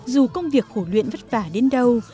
dù công việc khổ luyện vất vả đến đâu